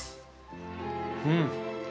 うん。